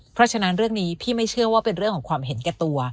เพราะฉะนั้นเรื่องนี้พี่ไม่เชื่อว่าเป็นเรื่องของความเห็นแก่ตัว